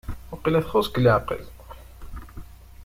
Waqila txuṣ deg leɛqel?